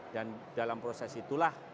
dan dalam proses itulah